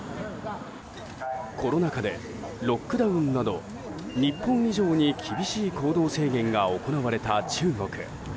コロナ禍でロックダウンなど日本以上に厳しい行動制限が行われた中国。